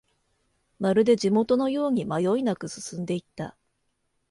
まるで地元のように迷いなく進んでいった